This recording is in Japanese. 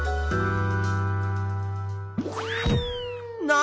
何？